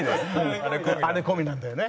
あれ込みなんだよね。